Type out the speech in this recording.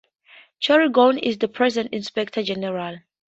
Cheryl Gwyn is the present Inspector-General.